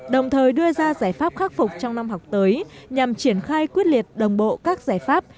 đồng thời đưa ra giải pháp khắc phục trong năm học tới nhằm triển khai quyết liệt đồng bộ các giải pháp